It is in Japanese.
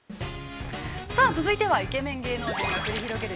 ◆さあ、続いてはイケメン芸能人が繰り広げる